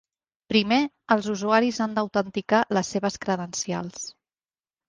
Primer, els usuaris han d'autenticar les seves credencials.